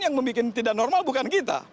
yang membuat tidak normal bukan kita